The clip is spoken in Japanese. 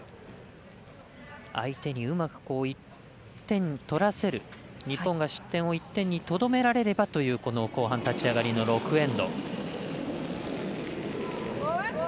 相手にうまく１点取らせる日本が失点を１点にとどめられればという後半、立ち上がりの６エンド。